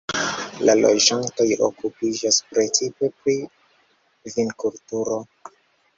La loĝantoj okupiĝas precipe pri vinkulturo.